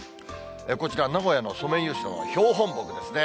こちら、名古屋のソメイヨシノの標本木ですね。